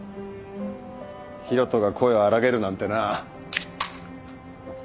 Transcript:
広翔が声を荒げるなんてな。